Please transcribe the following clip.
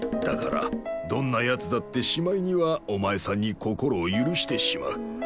だからどんなやつだってしまいにはお前さんに心を許してしまう。